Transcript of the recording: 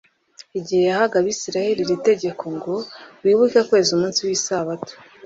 Igihe yahaga abisiraeli iri tegeko ngo : "Wibuke kweza umunsi w'isabato",